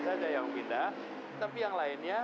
saja yang pindah tapi yang lainnya